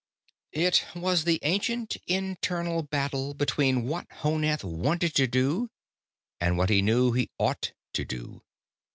It was the ancient internal battle between what Honath wanted to do, and what he knew he ought to do.